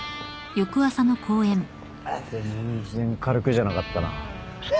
全然軽くじゃなかったな